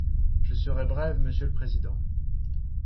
Je serai brève, monsieur le président.